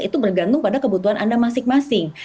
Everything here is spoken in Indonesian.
itu bergantung pada kebutuhan anda masing masing